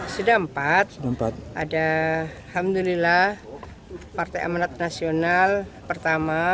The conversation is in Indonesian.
sudah empat ada alhamdulillah partai amanat nasional pertama